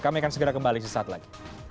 kami akan segera kembali sesaat lagi